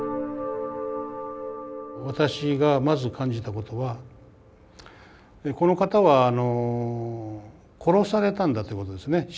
私がまず感じたことはこの方は殺されたんだということですね。